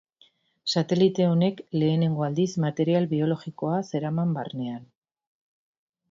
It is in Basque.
Satelite honek lehenengo aldiz material biologikoa zeraman barnean.